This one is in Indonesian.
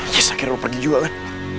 yes akhirnya mau pergi juga kan